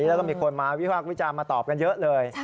แล้วก็มีคนมาวิพากษ์วิจารณ์มาตอบกันเยอะเลย